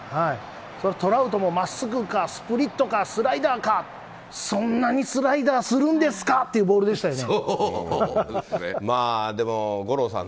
それでトラウトもまっすぐか、スプリットか、スライダーか、そんなにスライダーするんですかっていうボールでしたよね。